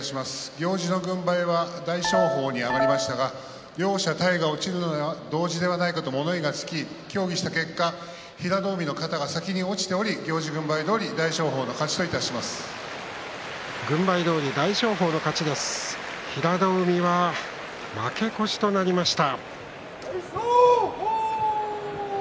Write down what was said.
行司の軍配は大翔鵬に上がりましたが、両者、体が落ちるのが同時ではないかと物言いがつき、協議した結果平戸海の肩が先に落ちており行司軍配どおり平戸海は負け越しとなりました。